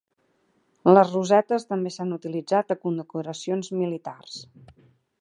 Les rosetes també s'han utilitzat a condecoracions militars.